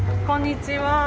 こんにちは。